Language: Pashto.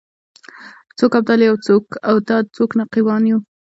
څوک ابدال یو څوک اوتاد څوک نقیبان یو